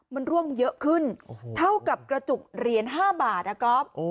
มันร่วงเยอะขึ้นเท่ากับกระจุกเหรียญ๕บาทนะครับ